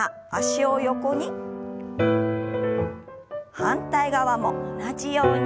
反対側も同じように。